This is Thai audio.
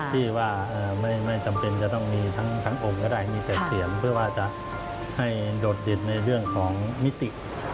ที่ว่าไม่จำเป็นจะต้องมีทั้งองค์ก็ได้มีแต่เสียงเพื่อว่าจะให้โดดเด่นในเรื่องของมิติ